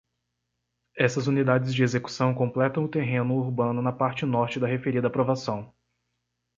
Essas unidades de execução completam o terreno urbano na parte norte da referida aprovação.